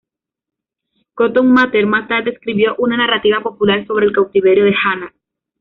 Cotton Mather más tarde escribió una narrativa popular sobre el cautiverio de Hannah.